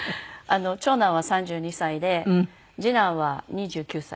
長男は３２歳で次男は２９歳。